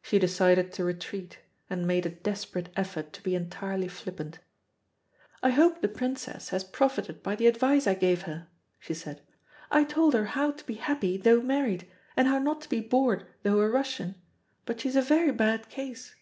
She decided to retreat, and made a desperate effort to be entirely flippant. "I hope the Princess has profited by the advice I gave her," she said. "I told her how to be happy though married, and how not to be bored though a Russian. But she's a very bad case."